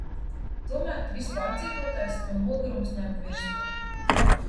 Tomēr viss pārdzīvotais un nogurums ņem virsroku.